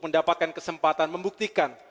mendapatkan kesempatan membuktikan